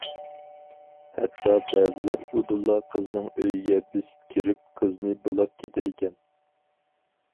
ھەتتا، بەزىلەر ئۇدۇللا قىزنىڭ ئۆيىگە بېسىپ كىرىپ، قىزنى بۇلاپ كېتىدىكەن.